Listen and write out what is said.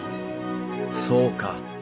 そうか。